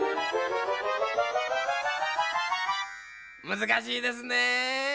むずかしいですね。